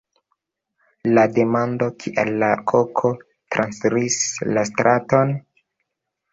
La demando "Kial la koko transiris la straton?